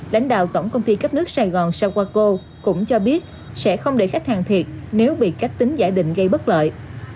lãnh đạo tổng công ty cấp nước sài gòn sawako cũng cho biết sẽ không để khách hàng thiệt nếu bị cách tính giải định gây bất lợi